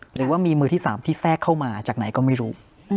หรือว่ามีมือที่๓ที่แทรกเข้ามาจากไหนก็ไม่รู้